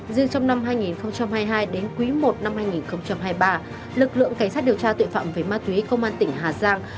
riêng trong năm hai nghìn hai mươi hai đến quý i năm hai nghìn hai mươi ba lực lượng cảnh sát điều tra tội phạm về ma túy công an tỉnh hà giang